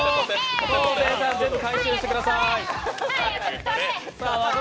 昴生さん、全部回収してください。